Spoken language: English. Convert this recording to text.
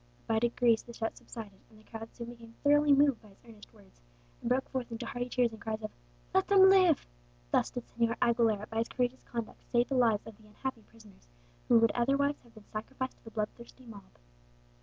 But by degrees the shouts subsided, and the crowd soon became thoroughly moved by his earnest words, and broke forth into hearty cheers and cries of 'Let them live!' Thus did Señor Aguilera by his courageous conduct save the lives of the unhappy prisoners, who would otherwise have been sacrificed to the blood thirsty mob."